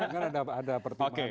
karena ada pertimbangan